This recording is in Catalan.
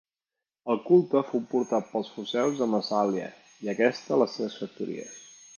El culte fou portat pels foceus a Massàlia i aquesta a les seves factories.